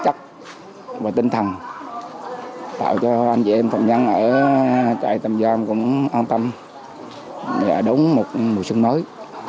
chất và tinh thần tạo cho anh chị em phạm nhân ở trại tạm giam cũng an tâm để đón một mùa xuân mới